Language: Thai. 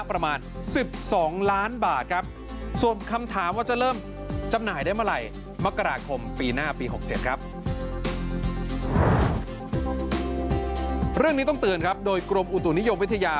เรื่องนี้ต้องเตือนครับโดยกรมอุตุนิยมวิทยา